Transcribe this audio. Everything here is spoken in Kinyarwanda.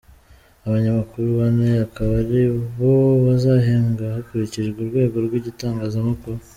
Abanyamakuru bane akaba ari bo bazahembwa hakurikijwe urwego rw’igitangazamakuru.